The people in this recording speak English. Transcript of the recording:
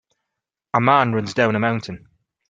A man runs down a mountain.